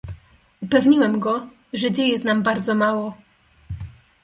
"Upewniłem go, że dzieje znam bardzo mało."